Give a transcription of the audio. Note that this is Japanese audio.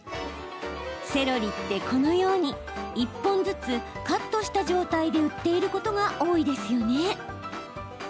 セロリって、このように１本ずつカットした状態で売っていることが多いですよね。